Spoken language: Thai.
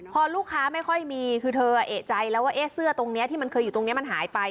พอลูกค้าไม่ค่อยมีคือเธอเอกใจแล้วว่าเสื้อตรงนี้ที่มันเคยอยู่ตรงนี้มันหายไป